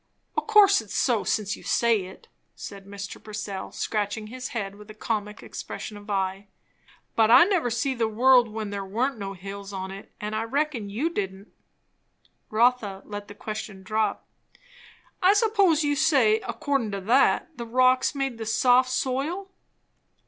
"O' course it's so, since you say it," said Mr. Purcell, scratching his head with a comic expression of eye; "but I never see the world when there warn't no hills on it; and I reckon you didn't." Rotha let the question drop. "I s'pose you'd say, accordin' to that, the rocks made the soft soil?"